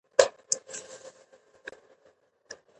زردالو د افغانستان د اقلیمي نظام یوه لویه ښکارندوی ده.